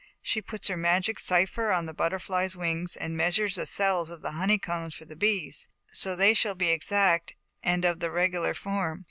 She puts her magic cipher on the butter flies' wings, and measures the cells of the honey combs for the bees, so they shall be exact and of the regular form.